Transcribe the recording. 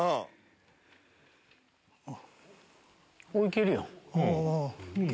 いけるやん。